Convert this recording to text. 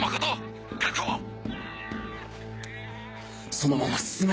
そのまま進め。